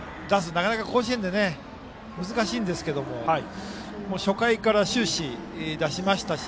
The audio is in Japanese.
なかなか甲子園で難しいんですが初回から終始出しましたし